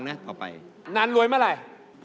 คนต่อไปใครครับ